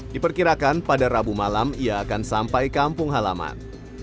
diperkirakan pada rabu malam ia akan sampai kampung halaman